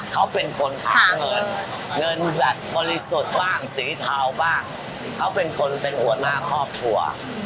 เขาเป็นคนหาเงินเงินแบบบริสุทธิ์บ้างสีเทาบ้างเขาเป็นคนเป็นหัวหน้าครอบครัว